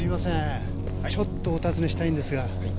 ちょっとお尋ねしたいんですが。